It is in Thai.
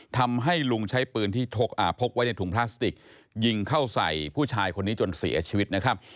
ทำให้ลุงใช้ปืนที่พกไว้ในถุงพลาสติกยิงเข้าใส่ผู้ชายคนนี้จนเสียชีวิตนะครับ